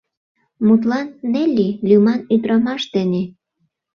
Мутлан, Нелли лӱман ӱдрамаш дене...